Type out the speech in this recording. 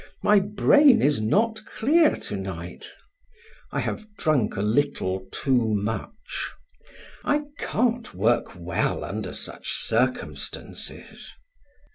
My brain is not clear to night. I have drunk a little too much. I can't work well under such circumstances."